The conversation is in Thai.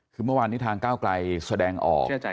คือเมื่อวานนี้ทางก้าวไกลแสดงออก